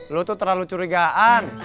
lo tuh terlalu curigaan